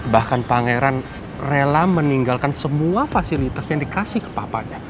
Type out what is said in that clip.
bahkan pangeran rela meninggalkan semua fasilitas yang dikasih ke papanya